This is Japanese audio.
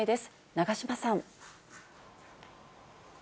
永島さん。